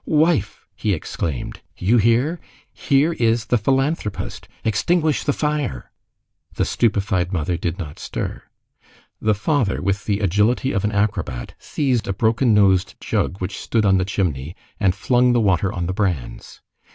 "Wife!" he exclaimed, "you hear. Here is the philanthropist. Extinguish the fire." The stupefied mother did not stir. The father, with the agility of an acrobat, seized a broken nosed jug which stood on the chimney, and flung the water on the brands.